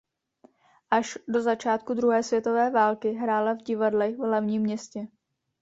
Až do začátku druhé světové války hrála v divadlech v hlavním městě.